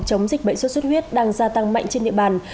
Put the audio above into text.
chống dịch bệnh xuất xuất huyết đang gia tăng mạnh trên địa bàn